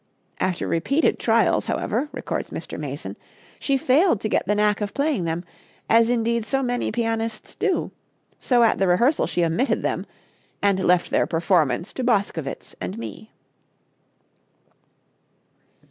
After repeated trials, however," records Mr. Mason, "she failed to get the knack of playing them, as indeed so many pianists do; so at the rehearsal she omitted them and left their performance to Boscovitz and me."